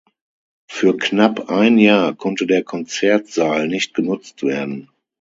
Für knapp ein Jahr konnte der Konzertsaal nicht genutzt werden.